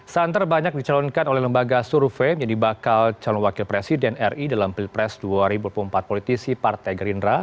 santer banyak dicalonkan oleh lembaga survei menjadi bakal calon wakil presiden ri dalam pilpres dua ribu dua puluh empat politisi partai gerindra